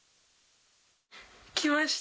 来ました！